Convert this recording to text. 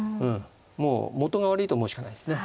もうもとが悪いと思うしかないですね。